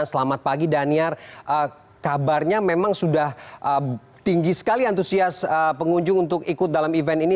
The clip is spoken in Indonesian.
selamat pagi daniar kabarnya memang sudah tinggi sekali antusias pengunjung untuk ikut dalam event ini